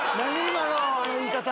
今の言い方。